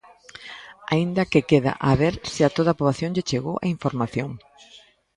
Aínda que queda a ver se a toda a poboación lle chegou a información.